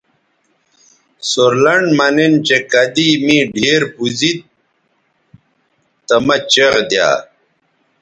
سور لنڈ مہ نِن چہء کدی می ڈِھیر پوزید تی مہ چیغ دیا